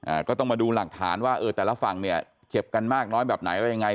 อ่าก็ต้องมาดูหลักฐานว่าเออแต่ละฝั่งเนี่ยเจ็บกันมากน้อยแบบไหนอะไรยังไง